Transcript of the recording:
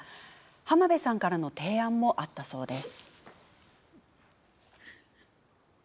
浜辺さんからの提案もあったそうです。